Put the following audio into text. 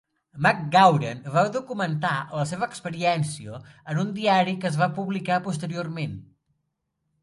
McGauran va documentar la seva experiència en un diari que es va publicar posteriorment.